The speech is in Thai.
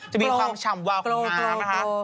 จะมีความฉ่ำวาวของน้ำนะคะ